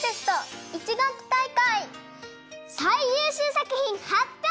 さいゆうしゅうさくひんはっぴょう！